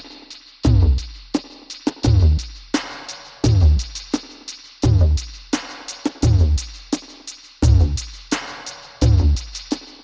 gak bicara masa bicara poni